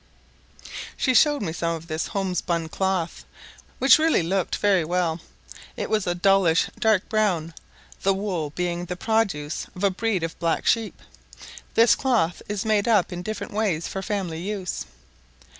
She showed me some of this home spun cloth, which really looked very well. It was a dullish dark brown, the wool being the produce of a breed of black sheep. This cloth is made up in different ways for family use.